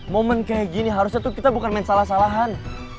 momen kayak gini harusnya tuh kita bukan main salah salahan